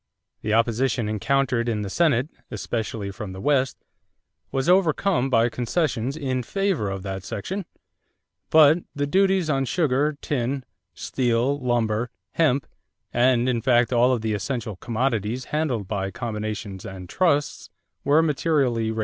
The opposition encountered in the Senate, especially from the West, was overcome by concessions in favor of that section; but the duties on sugar, tin, steel, lumber, hemp, and in fact all of the essential commodities handled by combinations and trusts, were materially raised.